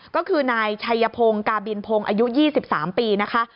ก็คือนายชัยพงศ์กาบินพงศ์อายุ๒๓ปีนะคะ